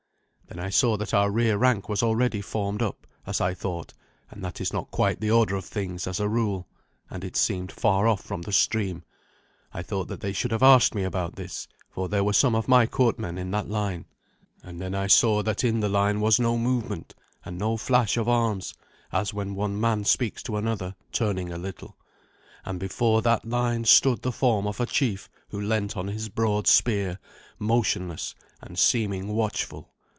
Then I saw that our rear rank was already formed up, as I thought, and that is not quite the order of things, as a rule, and it seemed far off from the stream. I thought that they should have asked me about this, for there were some of my courtmen in that line. And then I saw that in the line was no movement, and no flash of arms, as when one man speaks to another, turning a little. And before that line stood the form of a chief who leant on his broad spear, motionless and seeming watchful.